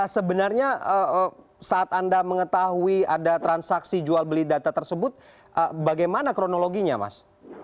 sebenarnya saat anda mengetahui ada transaksi jual beli data tersebut bagaimana kronologinya mas